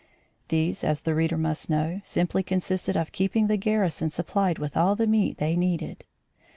These, as the reader must know, simply consisted of keeping the garrison supplied with all the meat they needed.